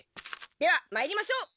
ではまいりましょう。